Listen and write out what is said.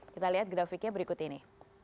kita lihat grafiknya berikut ini